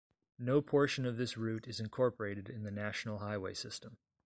No portion of this route is incorporated in the National Highway System.